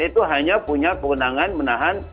itu hanya punya kewenangan menahan